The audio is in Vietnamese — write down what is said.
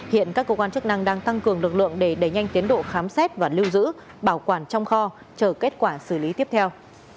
hiện các cơ quan chức năng đang tăng cường lực lượng để đẩy nhanh tiến độ khám xét và lưu giữ bảo quản trong kho chờ kết quả xử lý tiếp theo